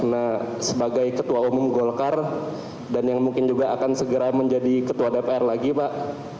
nah sebagai ketua umum golkar dan yang mungkin juga akan segera menjadi ketua dpr lagi pak